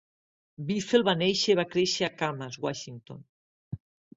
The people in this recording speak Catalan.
Biffle va néixer i va créixer a Camas, Washington.